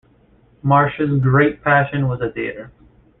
Marsh's great passion was the theatre.